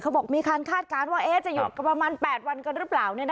บอกมีการคาดการณ์ว่าจะหยุดประมาณ๘วันกันหรือเปล่า